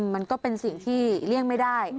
มันก็เป็นสิ่งที่เลี่ยงไม่ได้